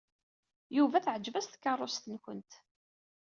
Yuba teɛjeb-as tkeṛṛust-nwen.